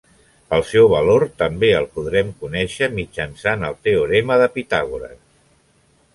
El seu valor també el podrem conèixer mitjançant el teorema de Pitàgores.